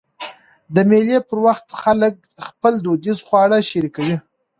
د مېلو پر وخت خلک خپل دودیز خواړه شریکوي.